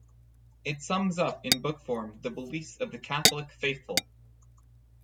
It sums up, in book form, the beliefs of the Catholic faithful.